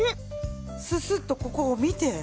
ススッとここを見て。